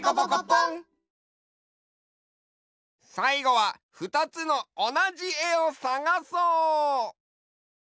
さいごはふたつのおなじえをさがそう！